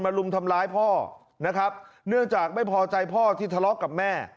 รุมทำร้ายพ่อนะครับเนื่องจากไม่พอใจพ่อที่ทะเลาะกับแม่